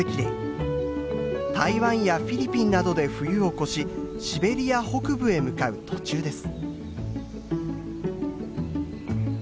台湾やフィリピンなどで冬を越しシベリア北部へ向かう途中です。